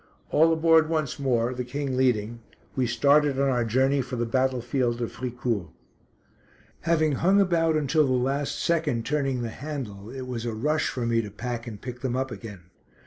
All aboard once more the King leading we started on our journey for the battlefield of Fricourt. Having hung about until the last second turning the handle, it was a rush for me to pack, and pick them up again.